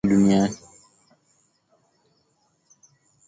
ya kumi ya aina za wanyama duniani